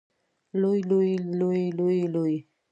لوی لویې لويه لوې لويو